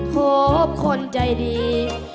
พบคนใจดี